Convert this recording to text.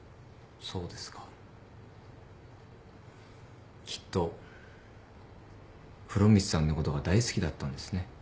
そうですか。きっと風呂光さんのことが大好きだったんですね。